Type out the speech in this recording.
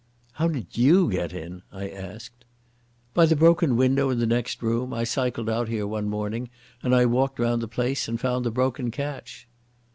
"How did you get in?" I asked. "By the broken window in the next room. I cycled out here one morning, and walked round the place and found the broken catch."